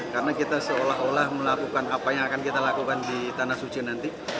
karena kita seolah olah melakukan apa yang akan kita lakukan di tanah suci nanti